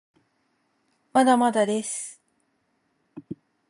まだまだです